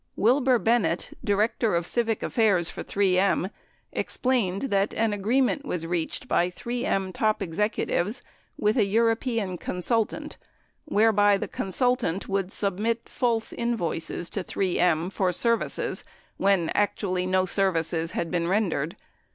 Wilbur Bennett, director of civic affairs for 3 M, explained that an agreement was reached by 3 M top executives with a European con sultant whereby the consultant would submit false invoices to 3 M for services when actually no services had been rendered.